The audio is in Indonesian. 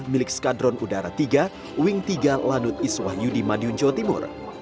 milik skadron udara tiga wing tiga lanut iswah yudi madiun jawa timur